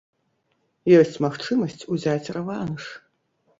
Ёсць магчымасць узяць рэванш.